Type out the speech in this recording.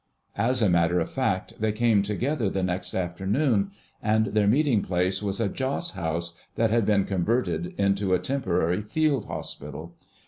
As a matter of fact, they came together the next afternoon, and their meeting place was a Joss house that had been converted into a temporary field hospital.